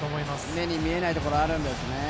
目に見えないところがあったんですね。